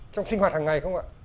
trong sinh hoạt hàng ngày không ạ